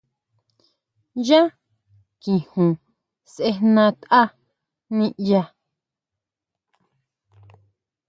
Yá kijun sejna tʼa niʼya.